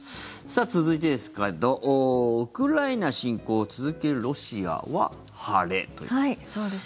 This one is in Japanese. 続いてですけどウクライナ侵攻を続けるロシアは晴れということで。